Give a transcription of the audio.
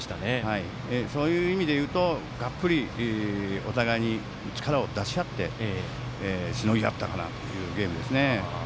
そういう意味でいうとたっぷりお互い力を出し合ってしのぎ合ったかなというゲームですね。